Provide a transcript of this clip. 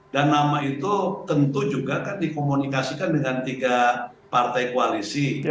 dan nama itu tentu juga kan dikomunikasikan dengan tiga partai koalisi